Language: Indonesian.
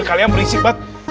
kalian berisik banget